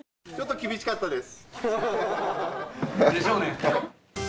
ちょっと厳しかったです。でしょうね。